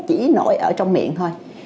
nó chỉ nổi ở trong miệng thôi